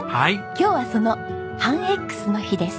今日はその半Ｘの日です。